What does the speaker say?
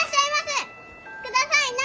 「くださいな」